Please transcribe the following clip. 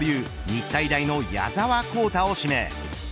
日体大の矢澤宏太を指名。